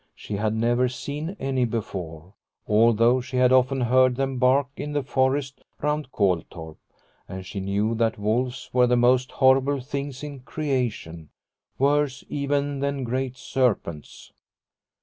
She had never seen any before, although she had often heard them bark in the forest round Koltorp, and she knew that wolves were the most horrible things in creation, worse even than great serpents.